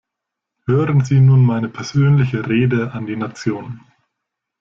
Hören Sie nun meine persönliche Rede an die Nation!